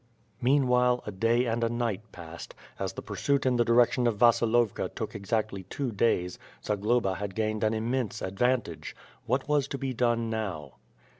MeanAvhile, a day and a night passed, as the pursuit in the direction of Vasilovki took exactly two days, Zagloba had gained an immense advantage. What was to be done now?